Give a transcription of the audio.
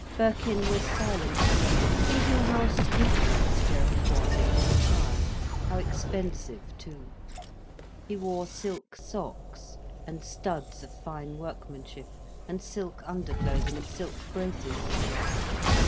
Birkin was silent, thinking how scrupulous Gerald was in his attire, how expensive too. He wore silk socks, and studs of fine workmanship, and silk underclothing, and silk braces.